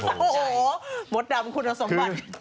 โอ้โหมดดำคุณสมบัติ